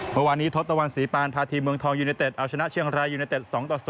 เมื่อวานนี้ทศตวรรษีปานพาทีมเมืองทองยูเนเต็ดเอาชนะเชียงรายยูเนเต็ด๒ต่อ๐